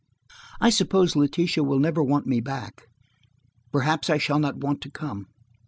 "I suppose Letitia will never want me back. Perhaps I shall not want to come.